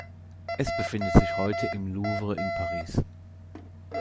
Es befindet sich heute im Louvre in Paris.